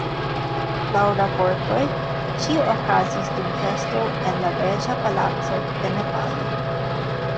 Laŭ raportoj, ĉio okazis dum festo en la reĝa palaco de Nepalo.